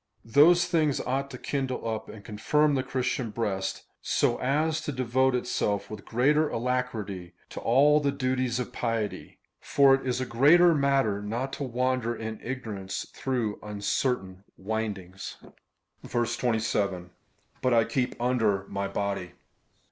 Those things ought to kindle up and confirm the Christian breast, so as to deA^ote itself with greater alacrity to all the duties of piety ;^ for it is a great matter not to wander in ignorance through uncertain windings. 27. But I keep under my body?